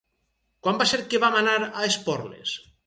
Quan va ser que vam anar a Esporles?